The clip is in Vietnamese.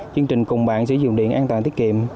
chương trình cùng bạn sử dụng điện an toàn tiết kiệm